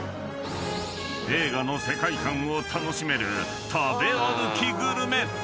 ［映画の世界観を楽しめる食べ歩きグルメ］